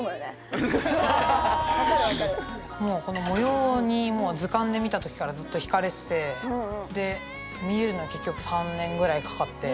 もうこの模様にもう図鑑で見た時からずっとひかれててで見えるのは結局３年ぐらいかかって。